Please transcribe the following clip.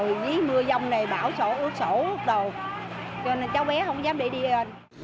rồi dưới mưa giông này bão sổ út sổ đồ cho nên cháu bé không dám để đi